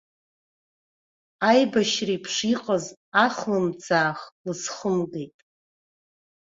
Аибашьреиԥш иҟаз ахымӡаах лызхымгеит.